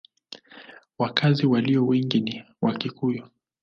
Wakazi walio wengi ni Wakikuyu.